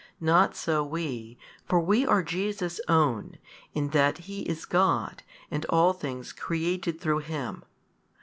Not so we, for we are Jesus' own, in that He is God and all things created through Him.